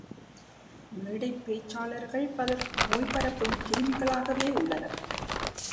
மேடைப் பேச்சாளர்கள் பலர் நோய் பரப்பும் கிருமிகளாகவே உள்ளனர்.